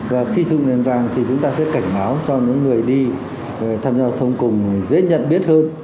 và khi sử dụng đèn vàng thì chúng ta sẽ cảnh báo cho những người đi tham gia giao thông cùng dễ nhận biết hơn